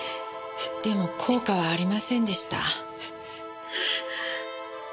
でも効果はありませんでした。